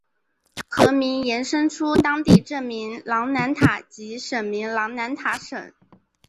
河名衍生出当地镇名琅南塔及省名琅南塔省。